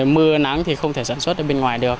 mưa nắng thì không thể sản xuất ở bên ngoài được